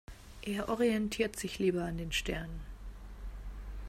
Er orientiert sich lieber an den Sternen.